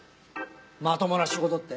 まともな仕事って？